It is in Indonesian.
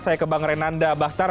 saya ke bang renanda bahtar